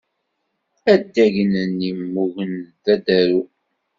Addagen-nni mmugen d adarru.